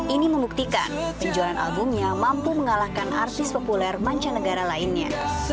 ini membuktikan penjualan albumnya mampu mengalahkan artis populer mancanegara lainnya